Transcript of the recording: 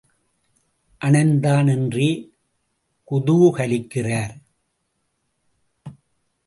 அணைந்தான் என்றே குதூகலிக்கிறார்.